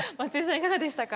いかがでしたか？